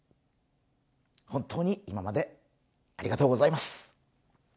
本当に今までありがとうございます。